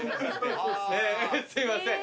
ええすいません。